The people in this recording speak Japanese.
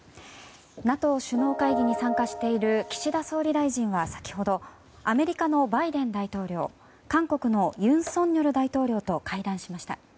ＮＡＴＯ首脳会議に参加している岸田総理大臣は先ほどアメリカのバイデン大統領韓国の尹錫悦大統領と会談しました。